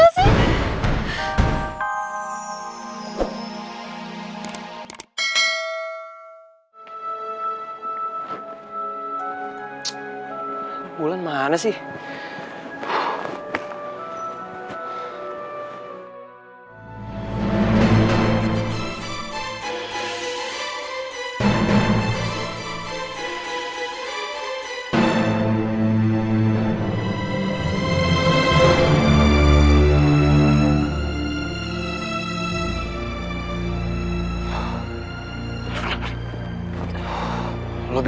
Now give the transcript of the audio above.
terima kasih mer or